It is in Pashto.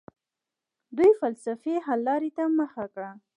دوی فلسفي حل لارې ته مخه کړه.